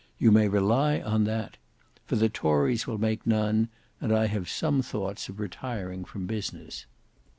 You may rely on that. For the tories will make none, and I have some thoughts of retiring from business."